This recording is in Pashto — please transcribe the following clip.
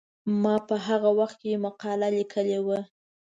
ما په هغه وخت کې مقاله لیکلې وه.